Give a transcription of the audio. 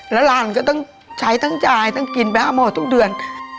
แล้วร้านก็ต้องใช้ทั้งจ่ายต้องกินแบบหมดทุกเดือน